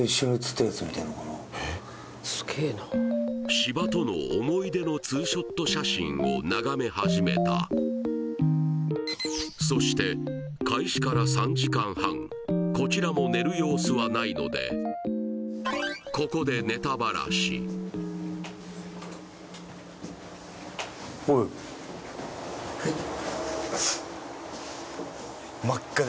芝との思い出のツーショット写真を眺め始めたそしてこちらも寝る様子はないのでここでおいということで